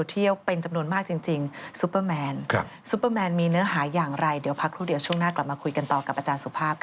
เที่ยวเป็นจำนวนมากจริงซุปเปอร์แมนซุปเปอร์แมนมีเนื้อหาอย่างไรเดี๋ยวพักครู่เดียวช่วงหน้ากลับมาคุยกันต่อกับอาจารย์สุภาพค่ะ